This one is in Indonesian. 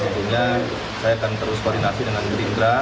tentunya saya akan terus koordinasi dengan gerindra